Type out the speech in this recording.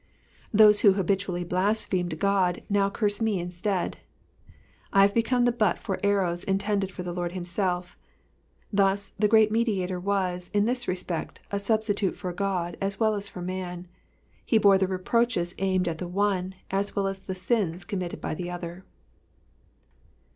'''' Those who habitually blasphemed God now curse me instead. I have become the butt for arrows intended for the Lord himself. Thus, the Great Mediator was, in this respect, a substitute for God as well as for man, he bore the reproaches aimed at the one, as well as the sins committed by the other.